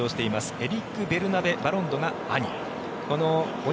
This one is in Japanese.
エリック・ベルナベ・バロンドが兄。